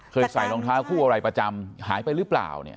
ใส่รองเท้าคู่อะไรประจำหายไปหรือเปล่าเนี่ย